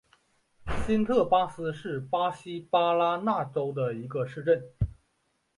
新特巴斯是巴西巴拉那州的一个市镇。